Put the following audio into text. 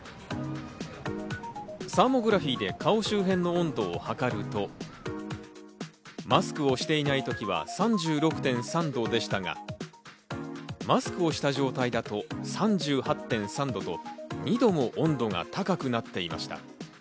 サーモグラフィーで顔周辺の温度を測ると、マスクをしていない時は３６．３度でしたが、マスクをした状態だと３８．３度と２度も温度が高くなっていました。